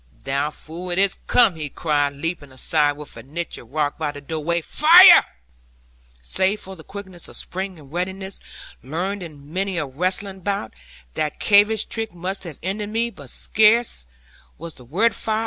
'Thou fool, it is come,' he cried, leaping aside into the niche of rock by the doorway; 'Fire!' Save for the quickness of spring, and readiness, learned in many a wrestling bout, that knavish trick must have ended me; but scarce was the word 'fire!'